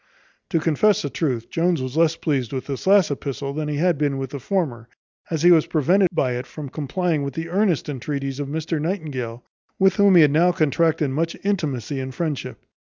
To confess the truth, Jones was less pleased with this last epistle than he had been with the former, as he was prevented by it from complying with the earnest entreaties of Mr Nightingale, with whom he had now contracted much intimacy and friendship.